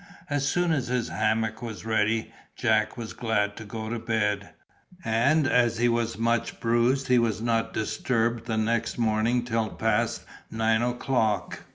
As soon as his hammock was ready, Jack was glad to go to bed—and as he was much bruised he was not disturbed the next morning till past nine o'clock.